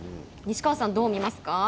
西川さんは、どう見ますか。